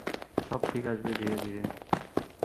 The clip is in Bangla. সব ঠিক আসবে ধীরে ধীরে।